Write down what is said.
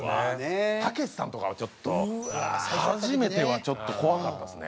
たけしさんとかはちょっと初めてはちょっと怖かったですね。